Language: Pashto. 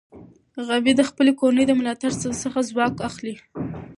غابي د خپل کورنۍ د ملاتړ څخه ځواک اخلي.